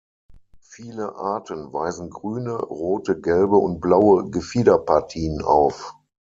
Viele Arten weisen grüne, rote, gelbe und blaue Gefiederpartien auf.